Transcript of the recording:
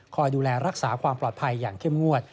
ดูแลรักษาความปลอดภัยอย่างเข้มงวด